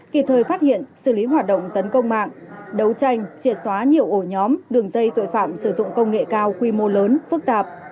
kịp thời phát hiện xử lý hoạt động tấn công mạng đấu tranh triệt xóa nhiều ổ nhóm đường dây tội phạm sử dụng công nghệ cao quy mô lớn phức tạp